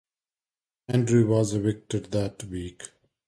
Andrew was evicted that week.